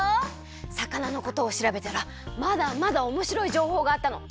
魚のことをしらべたらまだまだおもしろいじょうほうがあったの。